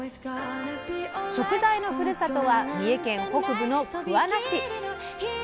食材のふるさとは三重県北部の桑名市。